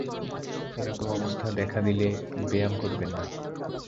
এ রকম অবস্থা দেখা দিলে ব্যায়াম করবেন না।